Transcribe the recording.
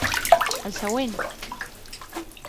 El següent!